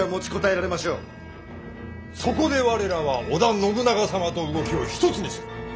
そこで我らは織田信長様と動きを一つにする！